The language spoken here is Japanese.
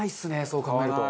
そう考えると。